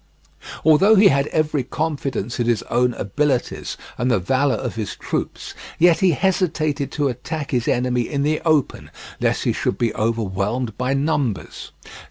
Although he had every confidence in his own abilities and the valour of his troops, yet he hesitated to attack his enemy in the open lest he should be overwhelmed by numbers.